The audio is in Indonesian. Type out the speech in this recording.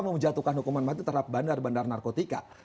menjatuhkan hukuman mati terhadap bandar bandar narkotika